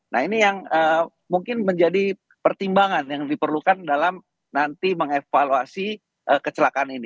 nah ini yang mungkin menjadi pertimbangan yang diperlukan dalam nanti mengevaluasi kecelakaan ini